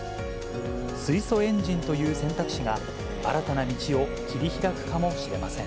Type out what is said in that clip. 水素エンジンという選択肢が、新たな道を切り開くかもしれません。